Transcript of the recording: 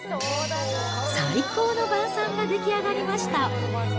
最高の晩さんが出来上がりました